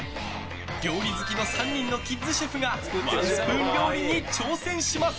料理好きの３人のキッズシェフがワンスプーン料理に挑戦します。